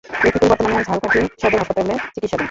রফিকুল বর্তমানে ঝালকাঠি সদর হাসপাতালে চিকিৎসাধীন।